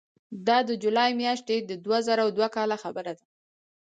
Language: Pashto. دا د جولای میاشتې د دوه زره دوه کاله خبره ده.